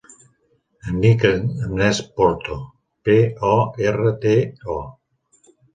Em dic Agnès Porto: pe, o, erra, te, o.